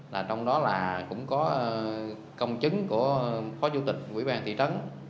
là trong đó là cũng có công chứng của phó chủ tịch quỹ ban thị trấn